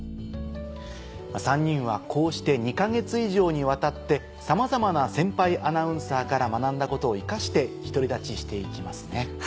３人はこうして２か月以上にわたってさまざまな先輩アナウンサーから学んだことを生かして独り立ちして行きますね。